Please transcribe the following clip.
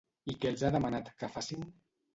I què els ha demanat que facin?